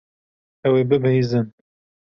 Ew ê bibihîzin.